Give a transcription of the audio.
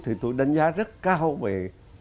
thì tôi đánh giá rất cao về